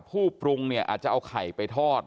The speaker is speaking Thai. ผู้ปรุงเนี่ยอาจจะเอาไข่ไปทอด